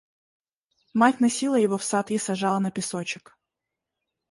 Мать носила его в сад и сажала на песочек.